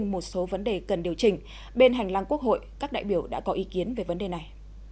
một số vấn đề cần điều chỉnh bên hành lang quốc hội các đại biểu đã có ý kiến về vấn đề này